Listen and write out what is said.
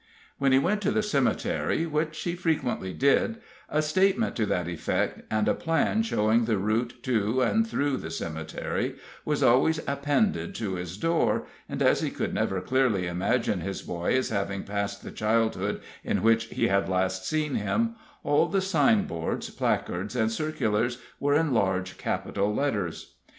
When he went to the cemetery, which he frequently did, a statement to that effect, and a plan showing the route to and through the cemetery, was always appended to his door, and, as he could never clearly imagine his boy as having passed the childhood in which he had last seen him, all the signboards, placards, and circulars were in large capital letters.